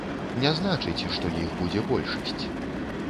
Не значыць, што іх будзе большасць.